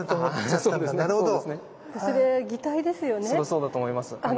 そうだと思います。